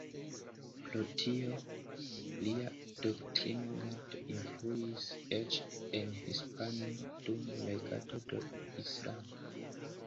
Pro tio, lia doktrino multe influis eĉ en Hispanio dum regado de Islamo.